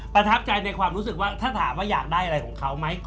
ประทับใจในความรู้สึกว่าถ้าถามว่าอยากได้อะไรของเขาไหม